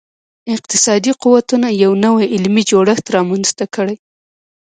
اقتصادي قوتونو یو نوی علمي جوړښت رامنځته کړي.